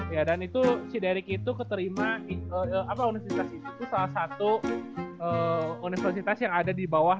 ya mungkin gue sih bakal